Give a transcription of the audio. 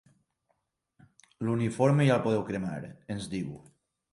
L'uniforme ja el podeu cremar –ens diu–.